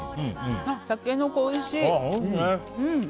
タケノコ、おいしい。